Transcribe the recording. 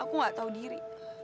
aku gak tahu diri